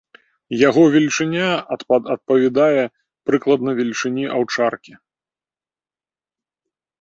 Яго велічыня адпавядае прыкладна велічыні аўчаркі.